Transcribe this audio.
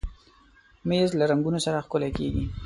مېز له رنګونو سره ښکلی کېږي.